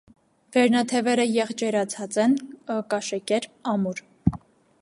Վերնաթևերը եղջերացած են, կաշեկերպ, ամուր։